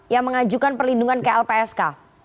yang mengajukan perlindungan ke lpsk